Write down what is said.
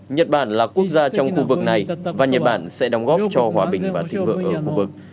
nhật bản là quốc gia trong khu vực này và nhật bản sẽ đóng góp cho hòa bình và thịnh vượng ở khu vực